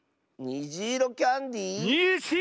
「にじいろキャンディー」！